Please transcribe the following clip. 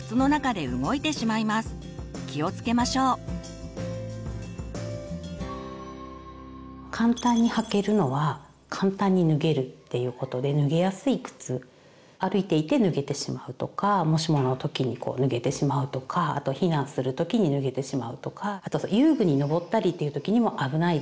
気をつけましょう。っていうことで脱げやすい靴歩いていて脱げてしまうとかもしもの時にこう脱げてしまうとかあと避難する時に脱げてしまうとかあと遊具にのぼったりという時にも危ないです。